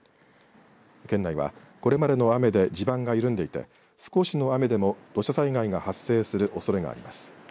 県内は、これまでの雨で地盤が緩んでいて少しの雨でも土砂災害が発生するおそれがあります。